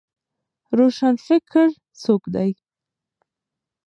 روشنفکر څوک دی؟